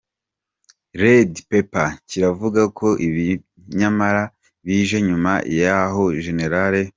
Redpepper kiravuga ko ibi nyamara bije nyuma yaho Gen.